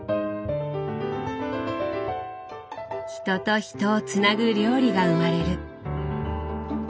人と人をつなぐ料理が生まれる。